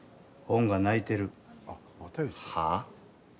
はあ？